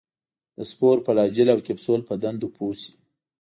د سپور، فلاجیل او کپسول په دندو پوه شي.